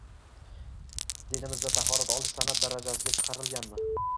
Dinimizda tahorat olish san’at darajasiga chiqarilmaganmi?